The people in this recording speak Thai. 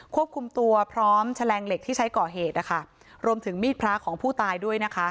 ควบคุมตัวพร้อมแฉลงเหล็กที่ใช้ก่อเหตุนะคะรวมถึงมีดพระของผู้ตายด้วยนะคะ